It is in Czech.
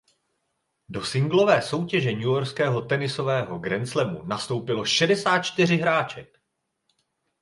Do singlové soutěže newyorského tenisového grandslamu nastoupilo šedesát čtyři hráček.